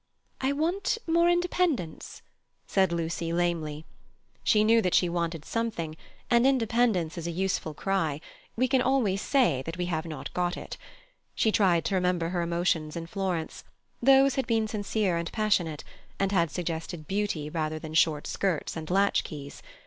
"I want more independence," said Lucy lamely; she knew that she wanted something, and independence is a useful cry; we can always say that we have not got it. She tried to remember her emotions in Florence: those had been sincere and passionate, and had suggested beauty rather than short skirts and latch keys.